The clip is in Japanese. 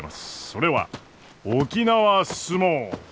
それは沖縄角力！